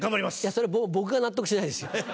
それ僕が納得しないですよ。